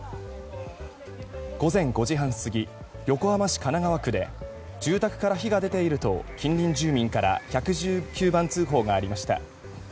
午前５時半過ぎ横浜市神奈川区で住宅から火が出ていると近隣住民から１１９番通報がありました。